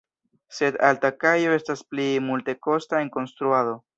Sed alta kajo estas pli multekosta en konstruado.